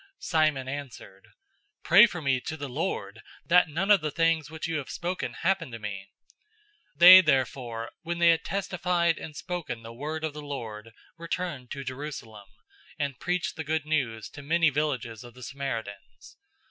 008:024 Simon answered, "Pray for me to the Lord, that none of the things which you have spoken happen to me." 008:025 They therefore, when they had testified and spoken the word of the Lord, returned to Jerusalem, and preached the Good News to many villages of the Samaritans.